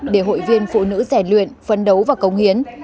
để hội viên phụ nữ rẻ luyện phân đấu và công hiến